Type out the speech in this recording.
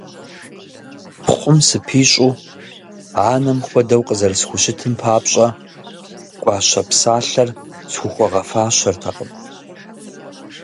Пхъум сыпищӀу анэм хуэдэу къызэрисхущытым папщӀэ гуащэ псалъэр схухуэгъэфащэртэкъым.